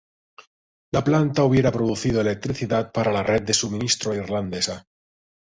La planta hubiera producido electricidad para la red de suministro irlandesa.